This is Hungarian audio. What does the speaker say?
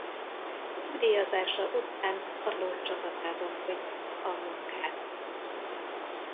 Nyugdíjazása után Tarlós csapatában folytatta a munkát.